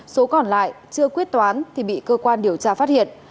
số còn lại chưa quyết toán thì bị cơ quan điều tra phát hiện